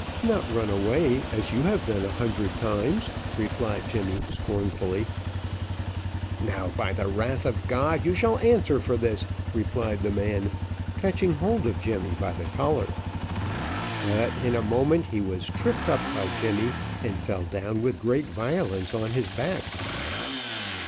"Not run away, as you have done a hundred times," replied Jemmy, scornfully. "Now by the God of War you shall answer for this," replied the man, catching hold of Jemmy by the collar; but in a moment he was tripped up by Jemmy, and fell down with great violence on his back.